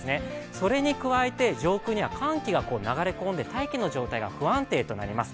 それに加えて、上空には寒気が流れ込んで大気の状態が不安定となります。